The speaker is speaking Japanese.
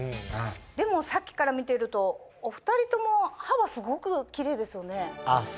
でもさっきから見てるとお２人とも歯はすごくキレイですよね。